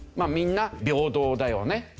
みんな平等だよね。